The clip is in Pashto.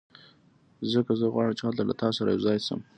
ځکه زه غواړم چې هلته له تا سره یو ځای شم